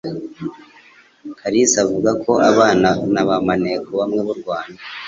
Kalisa avuga ko abana nabamaneko bamwe b'u Rwanda